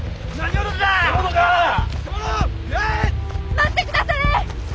待ってくだされ！